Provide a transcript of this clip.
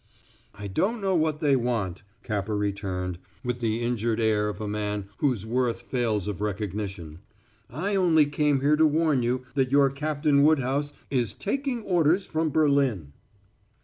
"I don't know what they want," Capper returned, with the injured air of a man whose worth fails of recognition. "I only came here to warn you that your Captain Woodhouse is taking orders from Berlin."